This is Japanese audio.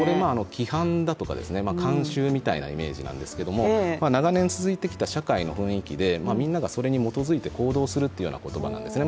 規範だとか、慣習みたいなイメージなんですけど長年続いてきた社会の雰囲気で、みんながそれに基づいて行動するという言葉なんですね。